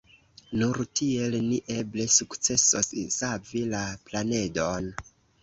Nur tiel ni eble sukcesos savi la planedon.